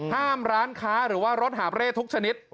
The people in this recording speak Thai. ห้ามร้านค้าหรือว่ารถหาบเร่ทุกชนิด